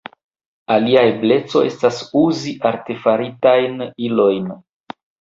Alia ebleco estas uzi artefaritajn ilojn.